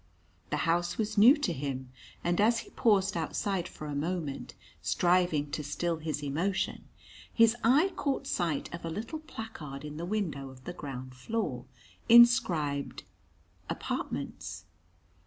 The house was new to him; and as he paused outside for a moment, striving to still his emotion, his eye caught sight of a little placard in the window of the ground floor, inscribed "Apartments."